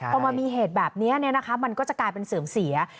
พอมามีเหตุแบบนี้มันก็จะกลายเป็นเสื่อมเสีย